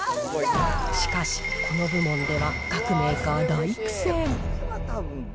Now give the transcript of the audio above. しかし、この部門では各メーカー大苦戦。